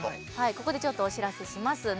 ここでちょっとお知らせします。